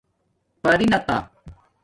پرنتانہ